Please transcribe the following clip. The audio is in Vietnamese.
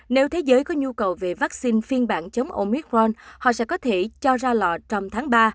nếu thế giới có nhu cầu về vaccine phiên bản chống oicron họ sẽ có thể cho ra lò trong tháng ba